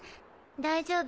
大丈夫？